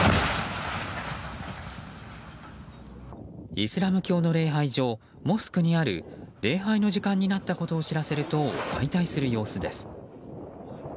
イスラム教の礼拝所モスクにある礼拝の時間になったことを知らせる塔を解体する様子です。